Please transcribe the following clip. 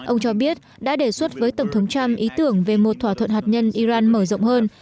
ông cho biết đã đề xuất với tổng thống trump ý tưởng về một thỏa thuận hạt nhân iran mở rộng hơn